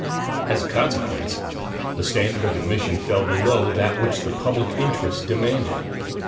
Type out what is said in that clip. As a consequence the standard of admission fell below that which the public interest demanded.